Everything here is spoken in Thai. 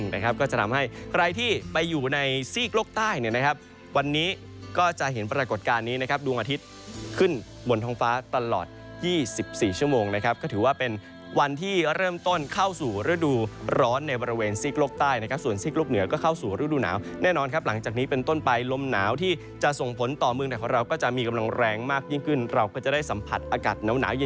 นะครับดวงอาทิตย์ขึ้นบนท้องฟ้าตลอดยี่สิบสี่ชั่วโมงนะครับก็ถือว่าเป็นวันที่เริ่มต้นเข้าสู่ฤดูร้อนในบริเวณซิกโลกใต้นะครับส่วนซิกโลกเหนือก็เข้าสู่ฤดูหนาวแน่นอนครับหลังจากนี้เป็นต้นไปลมหนาวที่จะส่งผลต่อเมืองแต่ว่าเราก็จะมีกำลังแรงมากยิ่งขึ้นเราก็จะได้สัมผัสอากา